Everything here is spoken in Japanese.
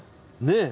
ねえ。